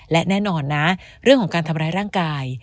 และแน่นอนนะเรื่องของการทำร้ายร่างกาย